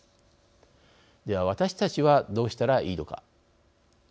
では私たちはどうしたらいいのか。